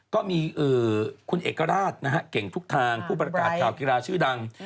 ก็มีคุณเอกราชนะฮะเก่งทุกทางผู้ประกาศข่าวกีฬาชื่อดัง